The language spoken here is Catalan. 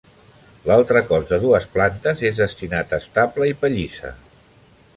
L'altre cos de dues plantes és destinat a estable i pallissa.